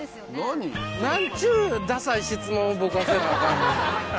何ちゅうダサい質問を僕がせなあかんねん。